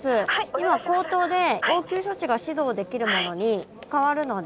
今口頭で応急処置が指導できる者に代わるので。